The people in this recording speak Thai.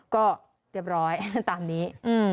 ก็เรียบร้อยตามนี้